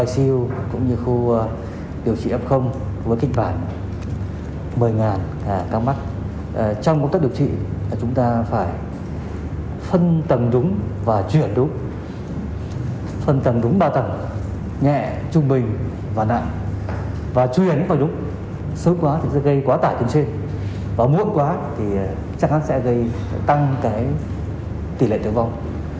sớm quá thì sẽ gây quá tải trên trên và muộn quá thì chắc chắn sẽ gây tăng tỷ lệ tử vong